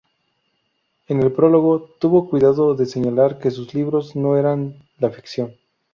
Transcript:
En el prólogo, tuvo cuidado de señalar que sus libros no eran "la ficción".